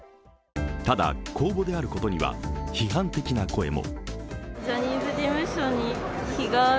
ただ、公募であることには批判的な声も。